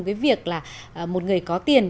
cái việc là một người có tiền